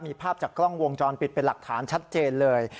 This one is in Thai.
มีภาพจากกล้องวงจรปิดเป็นหลักฐานชัดเจนเลย